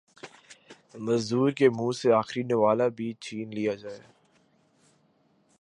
مزدور کے منہ سے آخری نوالہ بھی چھین لیا جائے